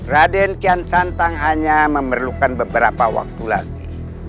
raden kian santang hanya memerlukan beberapa waktu lagi